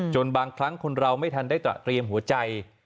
บางครั้งคนเราไม่ทันได้ตระเตรียมหัวใจ